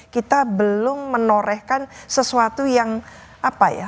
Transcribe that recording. kita belum menorehkan sesuatu yang apa ya